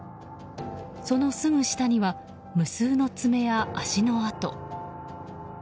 そのすぐ下には無数の爪や足の跡。